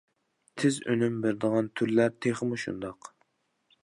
تېز ئۈنۈم بېرىدىغان تۈرلەر تېخىمۇ شۇنداق.